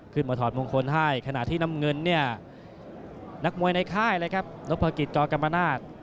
ถอดมงคลให้ขณะที่น้ำเงินเนี่ยนักมวยในค่ายเลยครับนพกิจจกรรมนาศ